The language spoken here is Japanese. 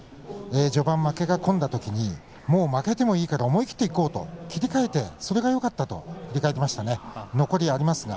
序盤まで負けが込んだときにも負けてもいいから思い切っていこうと切り替えてそれがよかったと振り返りましたね。